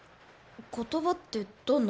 言葉ってどんな？